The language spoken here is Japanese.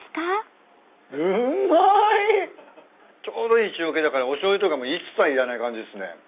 ちょうどいい塩気だからおしょうゆとかも一切いらない感じですね。